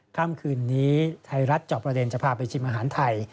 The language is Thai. ค่ำคืนนี้ไทยรัฐจอบประเด็นจะพาไปชิมอาหารไทย